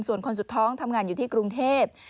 ส่วนคนสุดท้องทำงานอยู่ที่กรุงเทพ